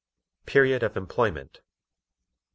Period of Employment 2.